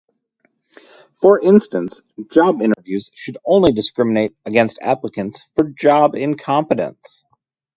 For instance, job interviews should only discriminate against applicants for job incompetence.